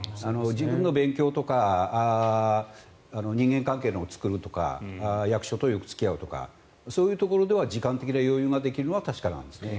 自分の勉強とか人間関係を作るとか役所とよく付き合うとかそういうところでは時間的な余裕ができるのは確かなんですね。